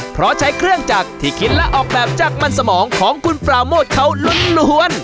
เพราะใช้เครื่องจักรที่คิดและออกแบบจากมันสมองของคุณปราโมทเขาล้วน